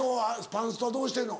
パンストはどうしてんの？